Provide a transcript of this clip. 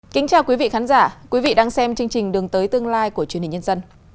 kính chào quý vị khán giả quý vị đang xem chương trình đường tới tương lai của truyền hình nhân dân